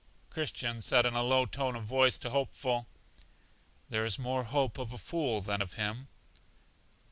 Christian said in a low tone of voice to Hopeful: There is more hope of a fool than of him.